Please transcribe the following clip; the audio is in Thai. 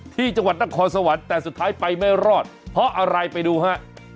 ที่จังหวัดนครสวรรค์แต่สุดท้ายไปไม่รอดเพราะอะไรไปดูฮะ